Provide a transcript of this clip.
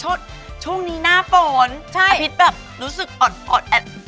ห้ะช่วงนี้น่าโผล่อภิษแบบรู้สึกอดแอด